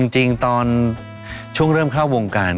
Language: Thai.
จริงตอนช่วงเริ่มเข้าวงการ